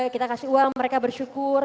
kita kasih uang mereka bersyukur